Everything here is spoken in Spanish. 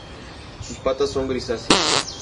Sus patas son grisáceas.